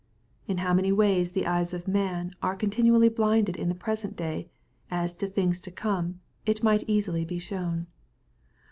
In how many ways the eyes of man are con tinually blinded in the present day, as to things to come, it might easily be shown.